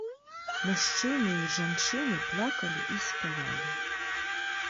Мужчыны і жанчыны плакалі і спявалі.